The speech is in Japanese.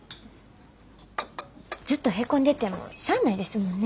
ずっとヘコんでてもしゃあないですもんね。